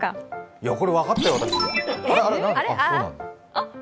いや、これ分かったよ、私。